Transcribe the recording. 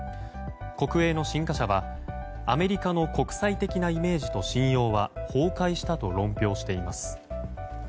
国営の新華社は、アメリカの国際的なイメージと信用は崩壊したと論評しています。